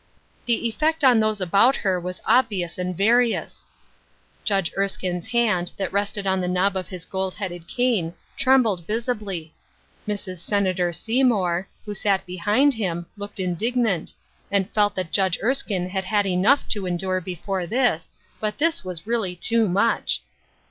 The effect on those about her was obvious and vari ous. Judge Erskine's hand, that rested on the knob of his gold headed cane, trembled visibly ; Mrs. Senator Seymour, who sat behind him, looked indignant, and felt that Judge Erskine 92 Ruth Ershine's Crosses, had had enough to endure before this, but this was really too much